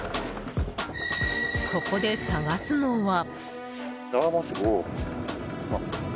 ここで探すのは。